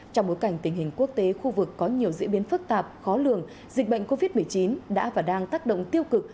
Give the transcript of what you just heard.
trong bối cảnh tình hình quốc tế khu vực có nhiều diễn biến phức tạp khó lường dịch bệnh covid một mươi chín đã và đang tác động tiêu cực